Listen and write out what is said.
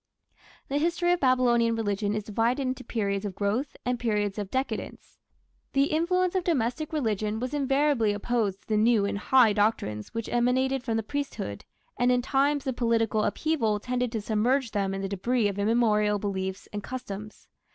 The history of Babylonian religion is divided into periods of growth and periods of decadence. The influence of domestic religion was invariably opposed to the new and high doctrines which emanated from the priesthood, and in times of political upheaval tended to submerge them in the debris of immemorial beliefs and customs.